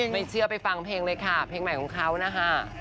ไม่เชื่อไปฟังเพลงเลยค่ะเพลงใหม่ของเขานะคะ